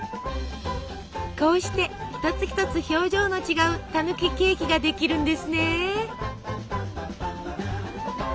こうして一つ一つ表情の違うたぬきケーキができるんですね。